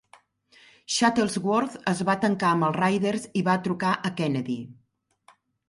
Shuttlesworth es va tancar amb els Riders i va trucar a Kennedy.